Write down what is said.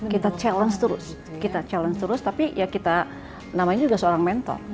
kita challenge terus kita challenge terus tapi ya kita namanya juga seorang mentor